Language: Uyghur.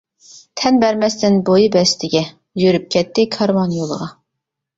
تەن بەرمەستىن بويى بەستىگە يۈرۈپ كەتتى كارۋان يولىغا.